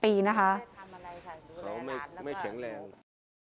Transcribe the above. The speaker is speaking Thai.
ไม่ได้ทำอะไรค่ะเดี๋ยวนั้นแล้วก็